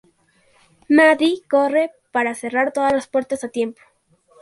Maddie corre para cerrar todas las puertas a tiempo.